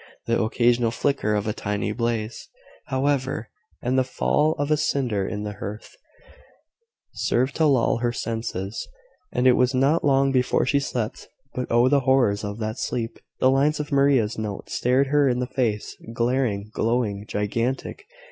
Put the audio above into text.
The occasional flicker of a tiny blaze, however, and the fall of a cinder in the hearth, served to lull her senses, and it was not long before she slept. But, oh, the horrors of that sleep! The lines of Maria's note stared her in the face glaring, glowing, gigantic.